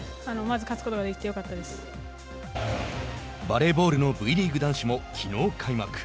バレーボールのＶリーグ男子もきのう開幕。